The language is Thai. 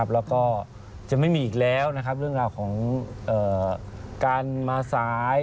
แล้วก็จะไม่มีอีกแล้วนะครับเรื่องราวของการมาสาย